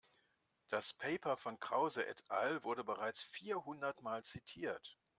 Das Paper von Krause et al. wurde bereits vierhundertmal zitiert.